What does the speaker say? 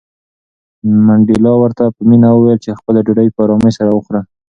منډېلا ورته په مینه وویل چې خپله ډوډۍ په آرامۍ سره وخوره.